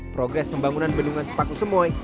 progres pembangunan bendungan sepaku semoy